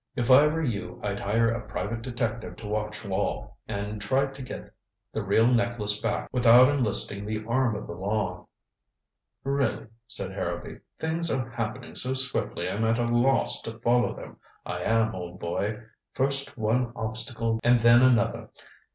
If I were you I'd hire a private detective to watch Wall, and try to get the real necklace back without enlisting the arm of the law." "Really," said Harrowby, "things are happening so swiftly I'm at a loss to follow them. I am, old boy. First one obstacle and then another.